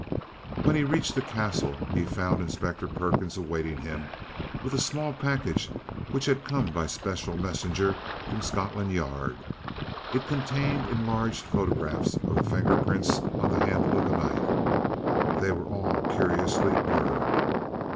When he reached the Castle he found Inspector Perkins awaiting him with a small package which had come by special messenger from Scotland Yard. It contained enlarged photographs of the fingerprints on the handle of the knife. They were all curiously blurred.